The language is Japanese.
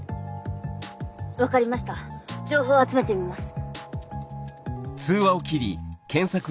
分かりました情報を集めてみます。